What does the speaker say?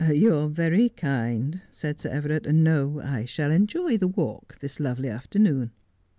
' You are very kind,' said Sir Everard. ' No, I shall enjoy the walk this lovely afternoon.'